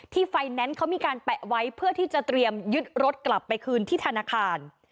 ไฟแนนซ์เขามีการแปะไว้เพื่อที่จะเตรียมยึดรถกลับไปคืนที่ธนาคาร